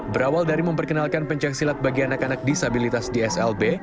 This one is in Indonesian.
berawal dari memperkenalkan pencaksilat bagi anak anak disabilitas di slb